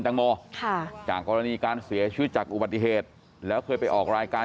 แตงโมค่ะจากกรณีการเสียชีวิตจากอุบัติเหตุแล้วเคยไปออกรายการ